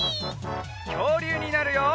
きょうりゅうになるよ！